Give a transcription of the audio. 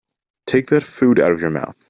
Take that food out of your mouth.